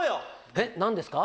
えっ何ですか？